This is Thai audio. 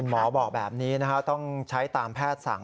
หมอบอกแบบนี้ต้องใช้ตามแพทย์สั่ง